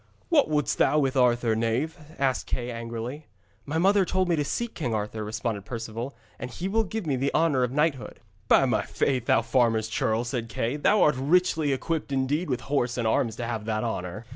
'What wouldst thou with Arthur, knave?' asked Kay angrily. 'My mother told me to seek King Arthur,' responded Perceval,' and he will give me the honour of knighthood.' 'By my faith, thou farmer's churl,' said Kay, 'thou art richly equipped indeed with horse and arms to have that honour.'